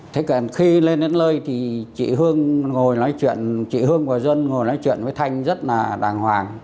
thế còn khi lên đến lơi thì chị hương ngồi nói chuyện chị hương và dân ngồi nói chuyện với thanh rất là đàng hoàng